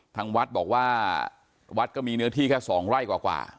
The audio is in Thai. ทางวัดบอกว่าวัดก็มีเนื้อที่แค่๒ไร่กว่า